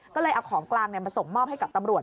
ก็เลยเอาของกลางมาส่งมอบให้กับตำรวจ